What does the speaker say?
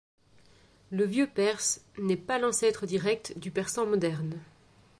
Le vieux perse n’est pas l’ancêtre direct du persan moderne.